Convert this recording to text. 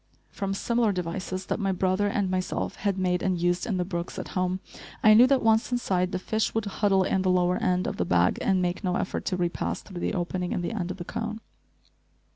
From similar devices that my brother and myself had made and used in the brooks at home, I knew that, once inside, the fish would huddle in the lower end of the bag and make no effort to repass through the opening in the end of the cone.